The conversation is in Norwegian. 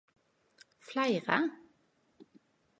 Fleire?